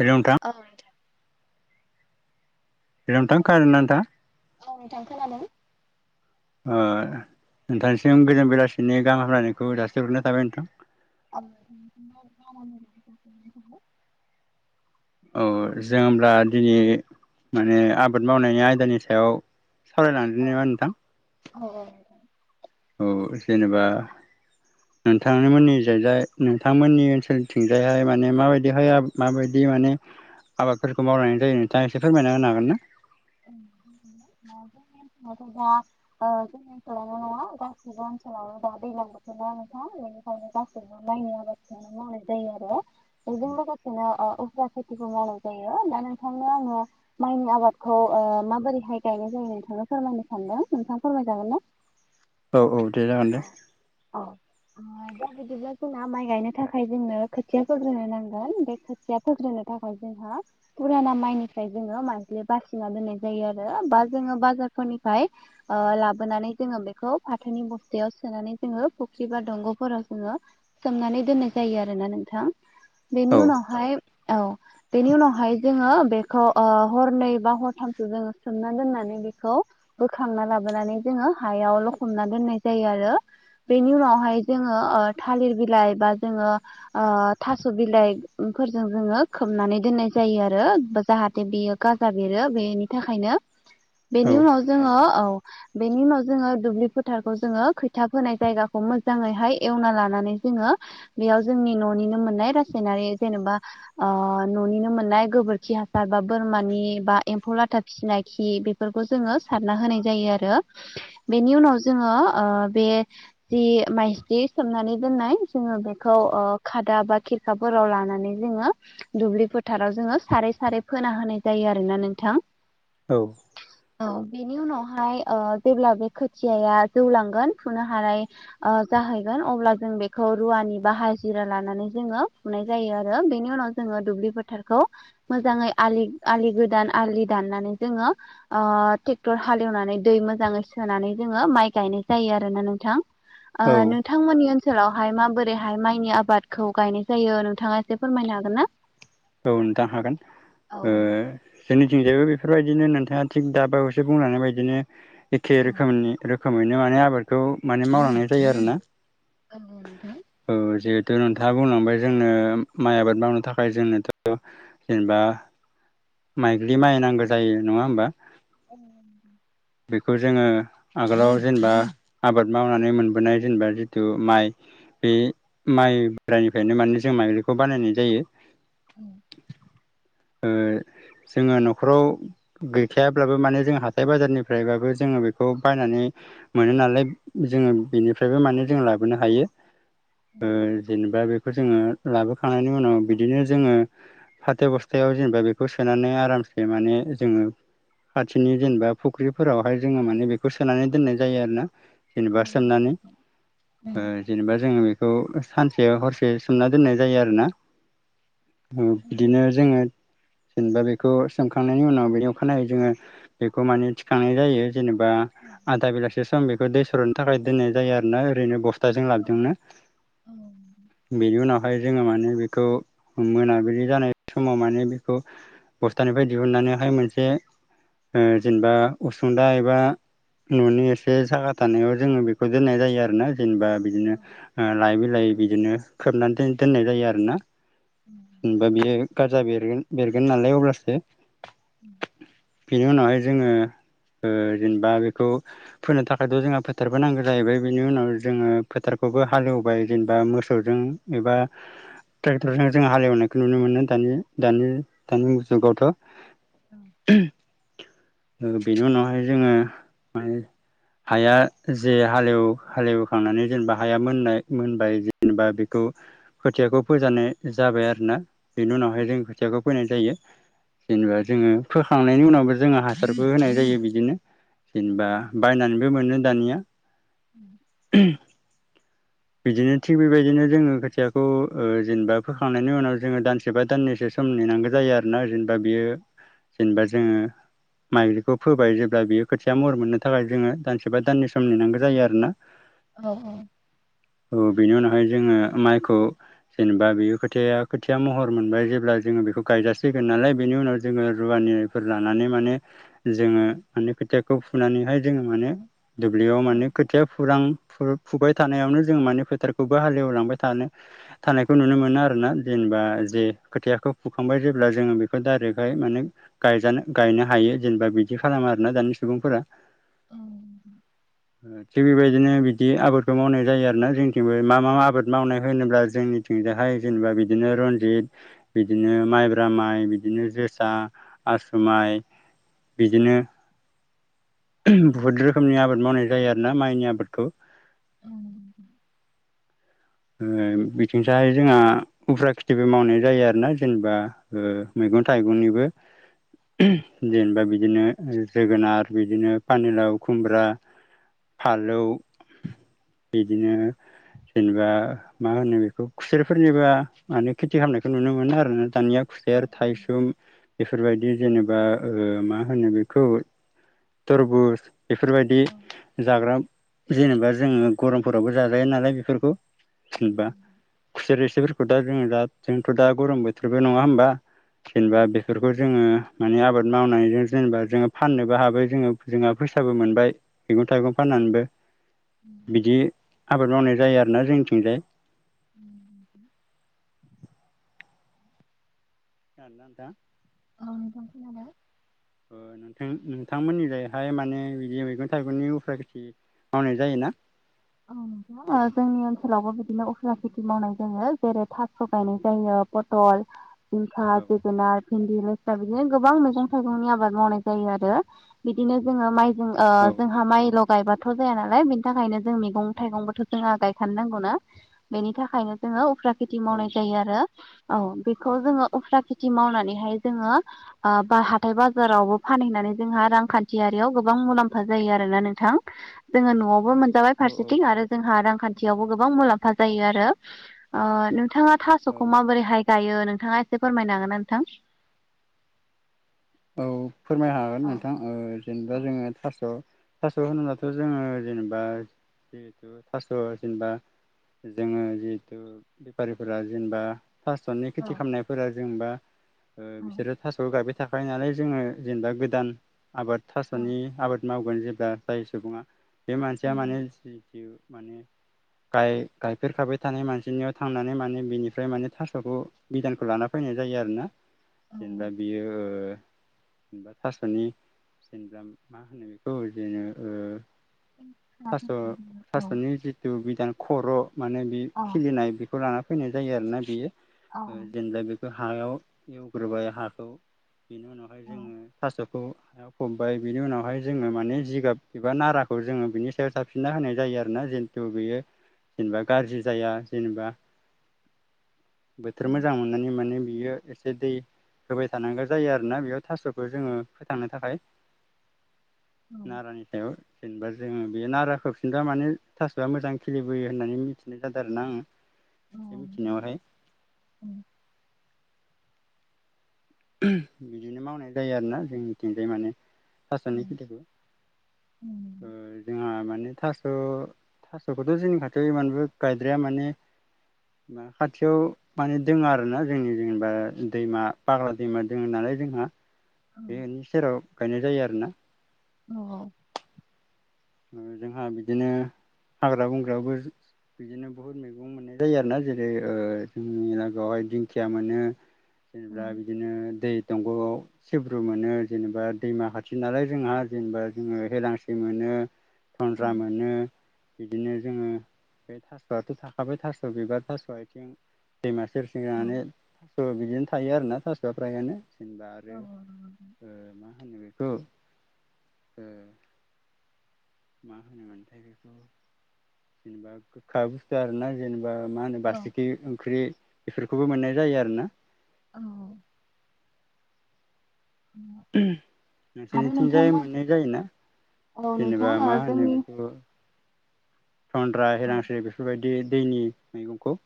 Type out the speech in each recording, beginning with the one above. Hello नोंथां hello नोंथां खोनादों ना नोंथाङा औ नोंथां खोनादों औ नोंथांसिम गोजान बेलासिनि गाहाम हामलायनायखौ जासिग्रोननाय थाबाय नोंथां। अ औ जों होमब्ला दिनै माने आबाद मावनायनि आयदानि सायाव सावरायलांदोनि नामा नोंथां? औ औ जेनेबा नोंथांमोननि जायजाय नोंथांमोननि ओनसोलनिथिंजायहाय माने माबायदिहाय माबायदि माने आबादफोरखौ मावनाय जायो नोंथाङा एसे फोरमायना होनो हागोन ना? जोंथिं थ' दा जोंनि ओनसोलावल' नङा गोबां ओनसोलाव दा दैज्लां बोथोर ना नोंथां बेनिखायनो गासैबो मनायनि आबादखौनो मावनाय जायो आरो। बेजों लोगोसेनो ओ उफ्रा खेथिबो मावनाय जायो दा नोंथांनो आङो माइनि आबाद खौ ओ माबोरैहाय गायनाय जायो नोंथांनो फोरमायनो सानदों नोंथां फोरमायजागोन ना औ औ दे जागोन औ दे औ ओ दा बिदिब्ला जोंना माइ गायनो थाखाय जोंनो खोथिया फोग्रोनो नांगोन बे खोथिया फोग्रोनो [unintelligible] जोंहा फुराना माइनिफ्राय जोङो माइज्लि बासिना दोननाय जायो आरो बा जोङो बाजारफोरनिफ्राय लाबोनानै जोङो बेखौ फाथो नि बस्थायाव सोनानै जोङो फुख्रि बा दंग'फोराव जोङो सोमनानै दोननाय जायो आरो ना नोंथां बेनि औ उनावहाय औ बेनि उनावहाय जोङो बेखौ हरनै बा हरथामसो जों सोमना दोननानै बेखौ बोखांना लाबोनानै जोङो हायाव लखबना दोन नाय जायो आरो बेनि उनावहाय जोङो थालिर बिलाइ बा जोङो थास' बिलाइ जोङो खोबनानै दोननाय जायो आरो जाहाथे बेयो गाजा जा बेरो बेनि थाखायनो औ बेनि उनाव जोङो औ बेनि उनाव जोङो दुब्लि फोथारखौ जोङो खोथिया फोनाय जायगाखौ मोजाङैहाय एवना लानानै जङो बेयाव जोंनि न'निनो मोननाय रासायनारि जेनेबा न'निनो मोननाय गोबोरखि हासार बा बोरमानि एबा एम्फौ लाथा फिसिना खि बेफोरखौ जोङो सारना होनाय जायो आरो बेनि उनाव जोङो ओ बे जि माइजिलि खोबनानै जों बेखौ खादा बा खेरखाफोराव लानानै जोङो दुब्लि फोथाराव जोङो सारै सारै फोना होनाय जायो आरो आरो ना नोंथां औ औ बेनि उनावहाय जेब्ला ओ बे खोथियाया जौ लांगोन फुनो हानाय ओ जाहैगोन अब्ला जों बेखौ रुवानि बा हाजिरा लानानै जोङो फुनाय जायो आरो बेनि उनाव जोङो दुब्लि फोथारखौ मोजाङै आलि आलि गो दान आलि दानानै जोङो ओ ट्रेक्टर हालेवनानै दै मोजाङै सोनानै जों माइ गायनाय जायो आरो ना नोंथां औ ओ नोंथांमोननि ओनसो सोलावहाय माबोरैहाय माइनि आबादखौ गायनाय जायो नोंथाङा एसे फोरमायनो हागोन ना औ नोंथां हागोन औ ओ जोंनिथिंजायबो बेफोरबायदिनो नोंथाङा थिग दाबावैसो बुंनानै बायदिनो एखे औ रोखोमनि खोमैनो माने आबादखौ माने मावलांनाय जायो आरोना ओ ओ नोंथां दो नोंथाङा बुंलांबाय जोंनो माइ आबाद मावनो थाखाय जोंनोथ' जेनेबा माइग्लि माइ नांगौ जायो नङा होमबा [unintelligible] बेखौ जोङो आगोलाव जेनेबा आबाद मावनानै मोनबोनाय जेनेबा जितु माइ बे माइ बोरायनिफ्रायनो मान जों माइलिखौ बानायनाय जायो ओ जोङो न'खराव गैखायाब्लाबो माने जों हाथाय बाजारनिफ्रायबाबो जोङो बेखौ बायनानै मोनो नालाय जोङो बेनिफ्रायबो माने जों लाबोनो हायो औ ओ जेनेबा बेखौ जोङो लाबोखांनायनि उनाव बिदिनो जोङो फाथो बस्थायाव जेनेबा बेखौ सोनानै आरामसे माने जोङो खाथिनि जेनेबा फुख्रिफोरावहाय जोङो माने बेखौ सोनानै दोननाय जायो आरो ना औ जेनेबा सोमनानै नोंथां दोन्नांगौ ओ जेनेबा जोङो बेखौ सानसे हरसे सोमना दोननाय जायो आरोना उम बिदिनो जोङो जेनेबा बेखौ सोमखांनायनि उनाव बेनि अखानायै जोङो बेखौ माने थिखांनाय जायो जेनेबा आधा बेलासे सम बेखौ दै सर'नो थाखाय दोननाय जायो आरोना ओरैनो बस्थ थाजों लाबजोंनो बेनि उनावहाय जोङो माने बेखौ मोनाबिलि जानाय समाव माने बेखौ बस्थानिफ्राय दिहुननानैहाय मोनसे ओ जेनेबा उसुंदा एबा न'नि एसे साखा थानायाव जोङो बेखौ दोननाय जायो आरो ना जेनेबा बिदिनो लायै बिलइै बिदिनो खोबनानैोन दोननाय जायो आरोना। जेनेबा बेयो गारजा बेरगोन बेरगोन नालाय अब्लासो बेनि उनावहाय जोङो जेनेबा बेखौ फोनो थाखायथ' जोंहा फोथारबो नांगौ जाहैबाय बेनि उनाव जोङो फोथार बो हालेवबाय जेनेबा मोसौजों एबा ट्रेटरजों हालेवनायखौ नुनो मोनो दानि दानि दानि जुगावथ' बेनि उनावहाय जोङो माने हाया जे हालेव हालेवखांनानै जेनेबा हाया मोननाय मोनबाय। जेनेबा बेखौ खोथियाखौ फोजानाय जाबाय आरो ना बेनि उनावहाय जों खोथियाखौ फैनाय जायो। जेनेबा जोङो फोखांनायनि उनावबो जोङो हासारबो होनाय जायो। बिदिनो जेनेबा बायनानैबो मोनो दानिया बिदिनो थिग बेबायदिनो जोङो खोथियाखौ जेनेबा फोखांनायनि उनाव जोङो दानसे बा दाननैसो सम नेनांगौ जायो आरोोना जेनेबा बियो जेनेबा जोङो माइग्रिखौ फोबाय जेब्ला बियो खोथिया महर मोननो थाखाय जोङो दानसेबा दाननि सम नेनांगौ जायो आरो ना। औ औ औ बेनि उनावहाय जोङो माइखौ जेनेबा बे खोथाया खोथिया महर मोनबाय जेब्ला जोङो बेखौ गायजासिगोन नालाय बेनि उनाव जोङो रुवानिफोर लानानै माने जोङो माने खोथियाखौ फुनानैहाय जोङो माने दुब्लियाव माने खोथिया फुरां फुबाय थानायावनो जों माने फोथारखौबो हालेवलांबाय थानो थानायखौ नुनो मोनो आरो ना। जेनेबा जे खोथायाखौ फुखांबाय जेब्ला जोङो बेखौ डाइरेक्टहाय माने गायजानो गायनो हायो जेनेबा बिदि खालामो आरोना दानि सुबुंफोरा उम थिग बेबायदिनो बिदि आबादखौ मावनाय जायो आरोना जोंथिंबो मा मा आबाद मावनाय होनोब्ला जोंनिथिं जोंहाय जेनेबा बिदिनो रनजित बिदिनो माइब्रा माइ बिदिनो जोसा आसुमाय बिदिनो बहुद रोखोमनि आबाद मावनाय जायो आरोना माइनि आबादखौ उम बिथिंसाहाय जोंहा उफ्रा खेथिबो मावनाय जायो आरोना जेनेबा मैगं थाइगंनिबो जेनेबा बिदिनो जोगोनार बिदिनो पानिलाव खुमब्रा फालौ बिदिनो जेनेबा मा होनो बेखौ खुसेरफोरनिबोा माने खोथि खालामनायखौ नुनो मोनो आरोना। दानिया खुसेर थाइसुम बेफोरबाय बिदि जेनेबा मा होनो बेखौ थरबुज बेफोरबायदि जाग्रा जेनेबा जोङो गरमफोरावबो जाजायो नालाय बेफोरखौ जेनबा खुसोर रोसिफोरखौ दा जो दा जोंथ' दा गरम बोथोरबो नङा होमबा? जेनेबा बेफोरखौ जोङो मानि आबाद मावनायजों जेनेबा जोङो फाननोबो हाबाय जोङो जोंहा फैसाबो मोनबाय। मैगं थाइगं फाननानैबो बिदि आबाद मावनाय जायो आरोना जोंनिथिंजाय [inaudible] जागोना नोंथां। औ नोंथां खोनादों। नोंथां नोंथांमोननिहाय माने बिदि मैगं थाइगंनि उफ्रा खेथि मावनाय जायोना। औ नोंथां जोंनि ओनसोलावबो बिदिनो उफ्रा खेथि मावनाय जायो जेरै थास' गायनाय जायो। पटल जिंखा औ जोगोनाद भिन्दि दा बिदिनो गोबां मैजं थाइगंनि आबाद मावनाय जायो आरो बिदिनो जोङो माइ जों औ जोंहा माइ लगायबाथ' जाया नालाय बेनि थाखायनो मैगं थाइगंबोथ' जों गायखा नांगौना बेनि थाखायनो जों उफ्रा खेथि औ मावनाय जायो आरो। औ बेखौ जोङो उफ्रा खेथि मावनानैहाय जोङो ओ बा हाथाय बाजारावबो फान नानै जों रांखान्थि गोबां मुलाम्फा जायो आरोना नोंथां जोङो न'वावबो मोनाजाबाय। औ फारसेथिं आरो जोंहा रांखान्थियावबो गोबां मुलाम्फा जायो आरो ओ नोंथाङा औ थास'खौ माबोरैहाय गायो नोंथाङा एसे फोरमायनाांगोना नोंथां? औ फोरमाय हागोन औ नोंथां औ जेनेबा औ जोङो था स' थास' होनोब्लाथ' जोङो जेनेबा जिहेथु थास' जेनेबा जोङो जिहेथु बेफारिफोरा जेनेबा थास'नि औ खेथि खालामनायफोरा जेनेबा ओ औ बिसोरो थास' गायबाय नालाय जोङो जेनेबा गोदान आबाद औ थास'नि आबाद मावगोन जेब्ला जाय सुबुङा बे मानसिया माने जि माने गायफेरखाबाय थानाय मानसिनियाव थांनानै माने बिनिफ्राय माने थास'खौ बिदानखौ लाना फैना जायो आरोना औ जेनेबा औ बियो जेनेबा थास'नि जेनेबा मा होनो बेखौ बिदिनो औ थास' थास'नि जिथु बिदान खर' माने बे खिलिनाय बेखौ लाना फैनाय जायो आरोना बेयो जेनेबा बे हायाव एवग्रोबाय हाखौ बेनि उनावहाय जोङो थास' फबबाय बिनि उनावहाय जोङो माने जिगाब एबा नाराखौ जोङो बिनि सायाव थाफिनना होनाय जायो। आरोना जेनथु बेयो जेनेबा गाज्रि जाया जेनेबा बोथोर मोजां मोननानै माने बियो एसे दै होबाय थानांगोन। जायो आरोना बेयाव थास'खौ जोङो फोथांनो थाखाय नारानि सायाव। जेनेबा जोङो बेयो नारा होफिनबा माने थास'आ मोजां खिलिबोयो होननानै मिथिनाय जादों आरो ना आङो एसे मिथिनायावहाय बिदिनो मावनाय जायो आरोना जोंनिथिंजाय माने थास'नि खिथिखौ ओ जोंहा माने थास स' थास'खौथ' जोंनि खाथियाव इमानबो गायद्राया माने मा खाथियाव माने दोङो आरोना जोंनि जेनेबा दैमा फाग्ला दैमा दोंङोनालाय जोंहा बेनि सेराव गायनाय जायो आरोना। औ ओ जोंहा बिदिनो हाग्रा बंग्राबाबो बिदिनो बहुत मैगं मोननाय जायो आरोना जेरै ओ जोंनि लागोयावहाय दिंखिया मोनो। जेनेबा बिदिनो दै दंग'आव सिब्रु मोनो जेनेबा दैमा खाथि नालाय जोंहा जेनेबा जोङो हेलांसि मोनो। [unintelligible] मोनो बिदिनो जोङो बे थास'आथ' थाखाबाय थास' बिबार थास' आइथिं दैमा सेर [unintelligible] थास' बिदिनो थायो आरोना थास'आ फ्रायानो। जेनबा आरो मा ओ होनो बेखौ? ओ मा होनोमोनथाय बेखौ जेनेबा गोखा बुस्थु आरोना जेनबा ओ बा मा होनो औ बारसिखि ओंख्रि बेफोरखौबो मोननाय जायो आरोना। औ आरो नोंसोरनिथिंजाय नोंथांमोन मोननाय जायोना? औ नोंथां जेनेबा ओ मा होनो जोंनि बिखौ? थन्द्रा औ इलांसि बेफोर बायदि दैनि मैगंखौ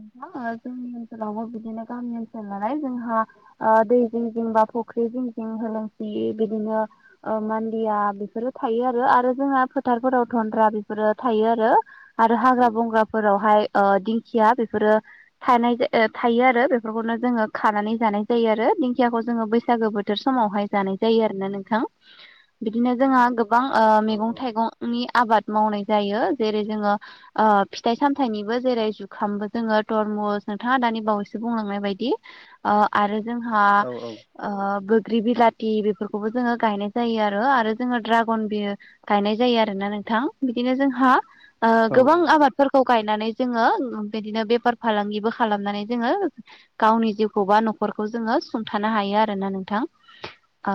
थां ओ जोंनि ओनसोलावबो बिदिनो गामि ओनसोल नालाय जोंहा ओ दै जिं जिंबा फुख्रि फुख्रि जिं जिं होलोंसि बिदिनो ओ मनदिया बेफोरो थायो आरो। आरो जोङा फोथार फोराव धन्द्रा बेफोरो थायो आरो आरो औ हाग्रा बंग्राफोरावहाय ओ दिंखिया बेफोरो थायनाय जा ओ थायो आरो बेफोरखौनो जोङो खानानै जानाय जायो आरो दिंखियाखौ जोङो बैसागो बोथोर समावहाय जानाय जायो आरोना नोंथां। बिदिनो जोंहा गोबां ओ औ मैगं थाइगंनि आबाद मावनाय जायो जेरै जोङो ओ ओ फिथाइ सामथाइनिबो जेरै जु ओंखामबो जोङो थरमस नोंथाङा दानि बावैसो बुंलांनाय बायदि ओ आरो जोंहा औ ओ ग्रिबिलाथि बेफोरखौबो जोङो गायनाय जायो आरो आरो जोङो ड्रागन बि गायनाय जायो आरोना नों‌ थां बिदिनो जोंहा औ गोबां आबादफोरखौ गायनानै जोङो बिदिनो बेफार फालांगिबो खालामनानै जोङो गावनि जिउखौ बा न'खरखौ जोङो सुंथानो हायो। आरोना नोंथां ओ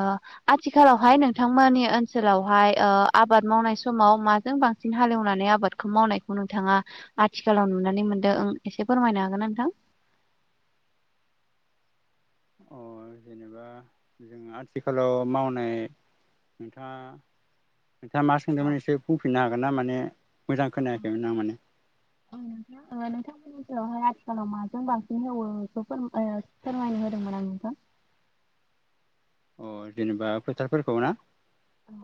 औ आथिखालावहाय नोंथांमोननि ओनसोलावहाय ओ आबाद आबाद मावनाय समाव माजों बांसिन हाल एवनानै आबादखौ मावनायखौ नोंथाङा आथिखालाव नुनानै मोनदों। दों एसे फोरमायनो हागोनना नोंथां? औ अ जेनेबा जों आथिखालाव मावनाय नोंथाङा नोंथाङा मा औ सोंदोंमोन एसे बुंफिननो हागोन ना माने। मोजां औ खोनायाखैमोन आं माने औ ओ नोंथां नोंथां [unintelligible] आथिखालाव माजों बांसिन हेवो इखो ओ फोरमायनो होदोंमोन आङो नोंथां। अ जेनेबा फोथारफोरखौ ना औ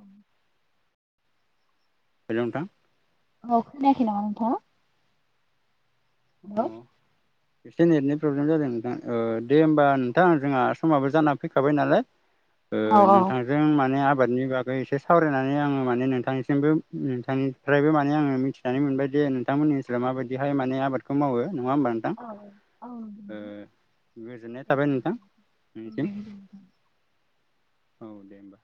हेलौ नोंथां अ खोनायाखै नामा नोंथां? अ एसे नेटनि प्रब्लेम जादों नोंथां ओ दे ओमबा नोंथां जोंहा समाबो जाना फैखाबाय नालाय। ओ औ नोंथांजों माने आ बादनि बागै एसे सावरायनानै आङो माने नोंथांनिसिमबो नोंथांनिफ्रायबो माने आङो मिथिनानै मोनबाय दे नोंथांमोन ओनसोलाव माबायदिहाय माने आबाद नङा ओमबा नोंथां? औ नंगौ नोंथां गोजोननाय दे थाबाय नोंथां बिदिब्ला औ नोंनिसिम दे गोजोनथों। औ दे ओमबा।